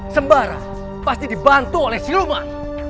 sembara pasti dibantu oleh siluman